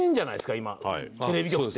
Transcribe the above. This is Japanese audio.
今テレビ局って。